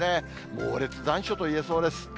モーレツ残暑といえそうです。